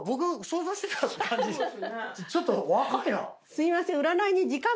すいません。